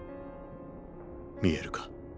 見えるか？